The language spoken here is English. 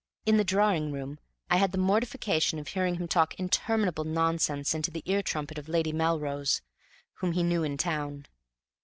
In the drawing room I had the mortification of hearing him talk interminable nonsense into the ear trumpet of Lady Melrose, whom he knew in town.